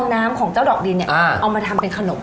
ครั้นเอาน้ำของเจ้าดอกดินเอามาทำเป็นขนม